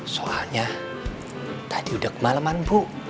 soalnya tadi udah kemaleman bu